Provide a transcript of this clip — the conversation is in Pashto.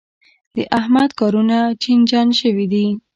د احمد کارونه چينجن شوي دي.